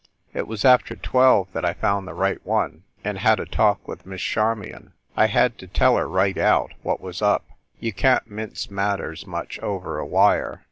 It was after twelve that I found the right one, and had a talk with Miss Charmion. I had to tell her, right out, what was up. You can t mince matters much over a wire.